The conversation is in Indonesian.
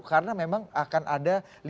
karena memang akan ada